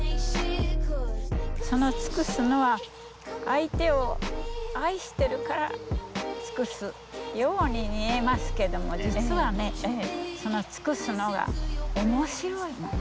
その尽くすのは相手を愛してるから尽くすように見えますけども実はねその尽くすのが面白いの。